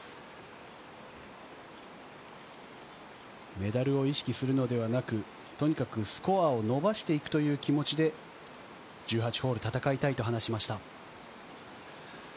メダルを意識するのではなく、とにかくスコアを伸ばしていくという気持ちで１８ホール、戦いたいと話しました。